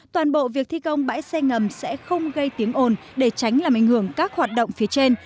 toàn bộ việc thi công bãi xe ngầm sẽ không gây tiếng ồn để tránh làm ảnh hưởng các hoạt động phía trên